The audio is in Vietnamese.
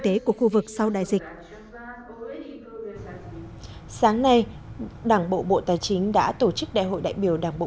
tế của khu vực sau đại dịch sáng nay đảng bộ bộ tài chính đã tổ chức đại hội đại biểu đảng bộ